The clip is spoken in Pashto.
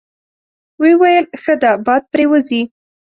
ویې ویل: ښه ده، باد پرې وځي.